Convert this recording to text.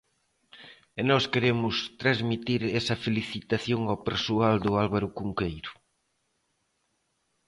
E nós queremos transmitir esa felicitación ao persoal do Álvaro Cunqueiro.